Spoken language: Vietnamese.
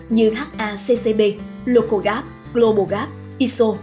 như haccp localgap globalgap iso